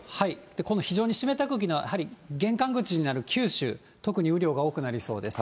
この非常に湿った空気のやはり玄関口になる九州、特に雨量が多くなりそうです。